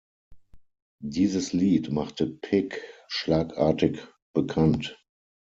Dieses Lied machte Pick schlagartig bekannt.